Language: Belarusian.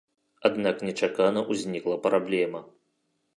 Аднак нечакана ўзнікла праблема.